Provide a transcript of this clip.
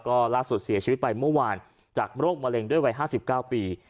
ก็ล่าสุดเสียชีวิตไปเมื่อวานจากโรคมะเร็งด้วยวัย๕๙ปี